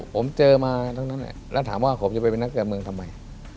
ผมเจอมาทั้งนั้นแหละแล้วถามว่าผมจะไปเป็นนักการเมืองทำไม